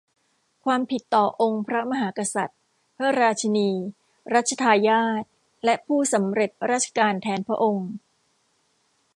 ความผิดต่อองค์พระมหากษัตริย์ พระราชินี รัชทายาท และผู้สำเร็จราชการแทนพระองค์